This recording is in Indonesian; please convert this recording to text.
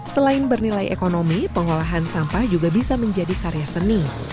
selain bernilai ekonomi pengolahan sampah juga bisa menjadi karya seni